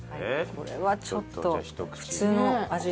これはちょっと普通の味と。